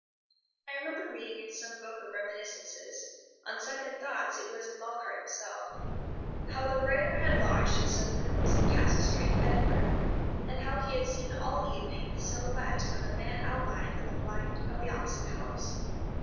I remember reading in some book of reminiscences—on second thoughts it was in Lockhart himself—how the writer had lodged in some rooms in Castle Street, Edinburgh, and how he had seen all evening the silhouette of a man outlined on the blind of the opposite house.